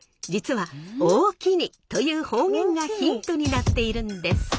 実は「おおきに」という方言がヒントになっているんです。